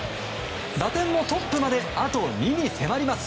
打点もトップまであと２に迫ります。